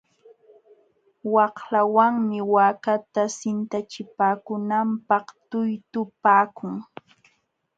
Waqlawanmi waakata sintachipaakunanpaq tuytupaakun.